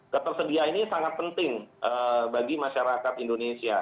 ketersediaan ini sangat penting bagi masyarakat indonesia